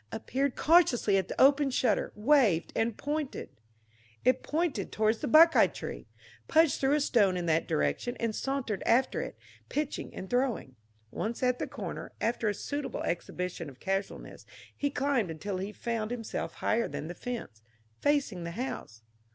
appeared cautiously at the open shutter, waved and pointed. It pointed toward the buckeye tree. Pudge threw a stone in that direction and sauntered after it, pitching and throwing. Once at the corner, after a suitable exhibition of casualness, he climbed until he found himself higher than the fence, facing the house.